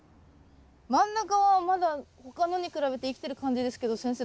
真ん中はまだ他のに比べて生きてる感じですけど先生